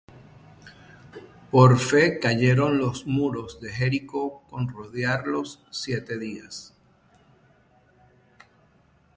Por fe cayeron los muros de Jericó con rodearlos siete días.